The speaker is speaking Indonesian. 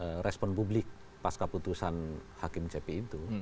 jadi ini adalah hubungan publik pas keputusan hakim cp itu